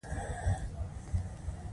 په ارجنټاین کې هم واکونه جنجال پاروونکي وو.